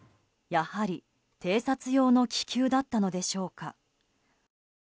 やはり、偵察用の気球だったのでしょうか。